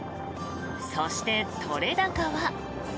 そして、取れ高は。